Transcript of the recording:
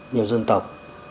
nhiều dân tộc